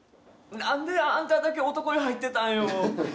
「なんであんただけ男湯入ってたんよ」。